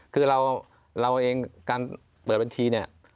คือเราเองการเปิดบัญชี